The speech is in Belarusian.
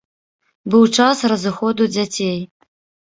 Быў час разыходу дзяцей.